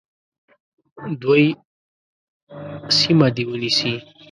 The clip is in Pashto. دوی سیمه دي ونیسي.